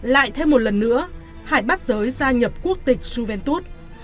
lại thêm một lần nữa hải bắt giới gia nhập quốc tịch suventus